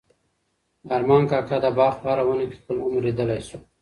ارمان کاکا د باغ په هره ونه کې خپل عمر لیدلی شو.